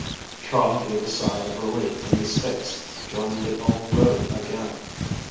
Charley gave a sigh of relief when the stakes joined the old road again.